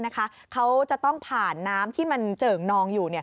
เขาจะต้องผ่านน้ำที่มันเจิ่งนองอยู่